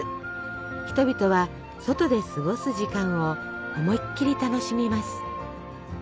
人々は外で過ごす時間を思いっきり楽しみます。